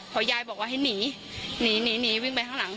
พอยายบอกว่าให้หนีหนีวิ่งไปข้างหลัง